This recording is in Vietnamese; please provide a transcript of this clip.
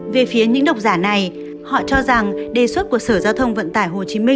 về phía những độc giả này họ cho rằng đề xuất của sở giao thông vận tải tp hcm